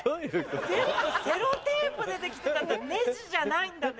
全部セロテープで出来てたんだネジじゃないんだね。